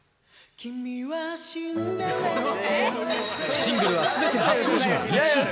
シングルはすべて初登場１位。